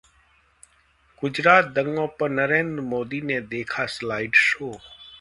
गुजरात दंगों पर नरेंद्र मोदी ने देखा स्लाइड शो